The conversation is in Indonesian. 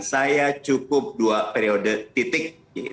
saya cukup dua periode titik